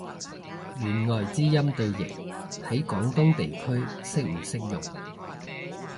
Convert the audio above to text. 弦外之音對譯，喺廣東地區適唔適用？